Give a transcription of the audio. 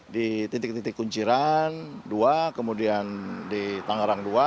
di titik titik kunciran dua kemudian di tangerang dua